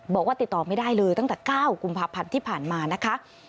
บอกว่าติดต่อไม่ได้เลยตั้งแต่๙กุมภาพันธ์ที่ผ่านมานะคะ